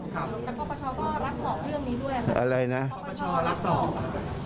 ครับแต่พ่อประชอก็รักสอบเรื่องนี้ด้วยอะไรนะพ่อประชอรักสอบ